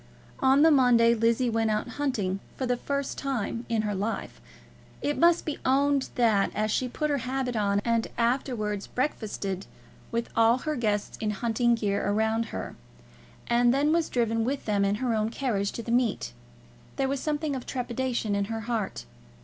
On the Monday Lizzie went out hunting for the first time in her life. It must be owned that, as she put her habit on, and afterwards breakfasted with all her guests in hunting gear around her, and then was driven with them in her own carriage to the meet, there was something of trepidation at her heart.